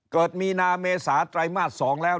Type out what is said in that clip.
เกิดมีนาเมษาไตรมาส๒แล้ว